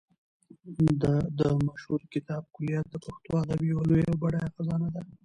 د ده مشهور کتاب کلیات د پښتو ادب یوه لویه او بډایه خزانه ده.